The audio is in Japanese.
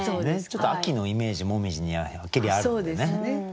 ちょっと秋のイメージ紅葉にははっきりあるのでね。